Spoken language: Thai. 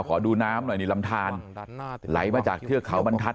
ขอดูน้ำหน่อยนี่ลำทานไหลมาจากเทือกเขาบรรทัศ